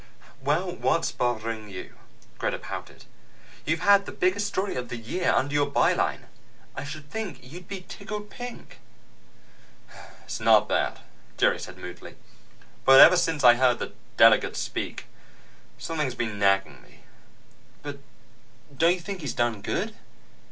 "Well, what's bothering you?" Greta pouted. "You've had the biggest story of the year under your byline. I should think you'd be tickled pink." "It's not that," Jerry said moodily. "But ever since I heard the Delegate speak, something's been nagging me." "But don't you think he's done good?